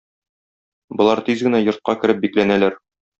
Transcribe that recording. Болар тиз генә йортка кереп бикләнәләр.